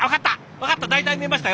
分かった！